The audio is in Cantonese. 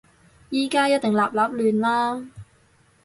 而家一定立立亂啦